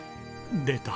出た。